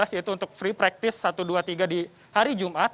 yaitu untuk free practice satu ratus dua puluh tiga di hari jumat